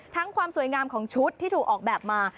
ความสวยงามของชุดที่ถูกออกแบบมา